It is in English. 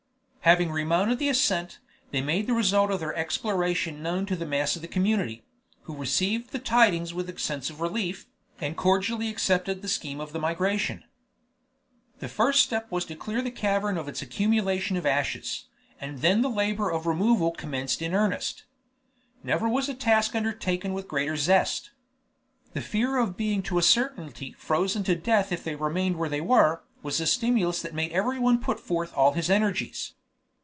Having remounted the ascent, they made the result of their exploration known to the mass of the community, who received the tidings with a sense of relief, and cordially accepted the scheme of the migration. The first step was to clear the cavern of its accumulation of ashes, and then the labor of removal commenced in earnest. Never was a task undertaken with greater zest. The fear of being to a certainty frozen to death if they remained where they were, was a stimulus that made everyone put forth all his energies.